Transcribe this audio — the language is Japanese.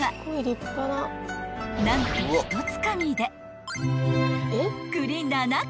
［何とひとつかみで］